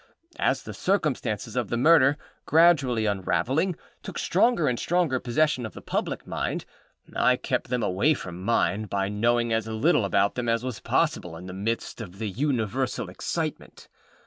As the circumstances of the murder, gradually unravelling, took stronger and stronger possession of the public mind, I kept them away from mine by knowing as little about them as was possible in the midst of the universal excitement.